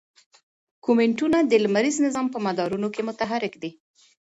کومیټونه د لمریز نظام په مدارونو کې متحرک دي.